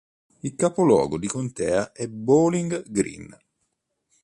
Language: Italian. Il capoluogo di contea è Bowling Green.